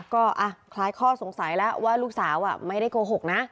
ก็คล้ายข้อสงสัยแล้วว่าลูกสาวไม่ได้โกหกนะ